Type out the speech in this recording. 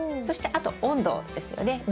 そしてあと温度ですよね。